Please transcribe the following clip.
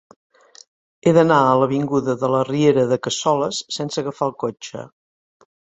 He d'anar a l'avinguda de la Riera de Cassoles sense agafar el cotxe.